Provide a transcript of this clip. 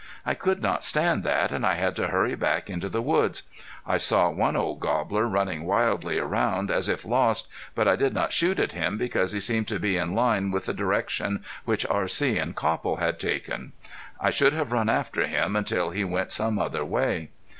I could not stand that and I had to hurry back into the woods. I saw one old gobbler running wildly around as if lost, but I did not shoot at him because he seemed to be in line with the direction which R.C. and Copple had taken. I should have run after him until he went some other way.